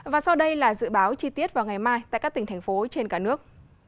và sau đây là dự báo chi tiết vào ngày mai tại các tỉnh thành phố trên cả nước